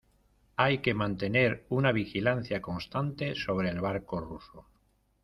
hay que mantener una vigilancia constante sobre el barco ruso.